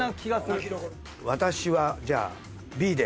私はじゃあＢで。